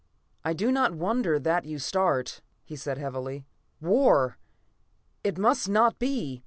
"I do not wonder that you start," he said heavily. "War! It must not be.